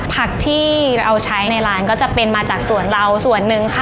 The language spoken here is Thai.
ผักที่เราใช้ในร้านก็จะเป็นมาจากส่วนเราส่วนหนึ่งค่ะ